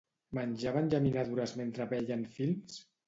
Menjaven llaminadures mentre veien films?